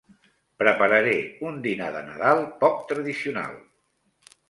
Prepararé un dinar de Nadal poc tradicional.